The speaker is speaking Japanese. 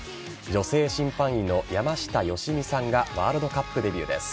女性審判員の山下良美さんがワールドカップデビューです。